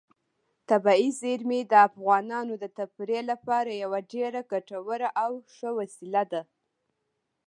طبیعي زیرمې د افغانانو د تفریح لپاره یوه ډېره ګټوره او ښه وسیله ده.